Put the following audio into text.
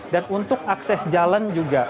dan untuk akses jalan juga